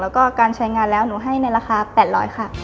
แล้วก็การใช้งานแล้วหนูให้ในราคา๘๐๐ค่ะ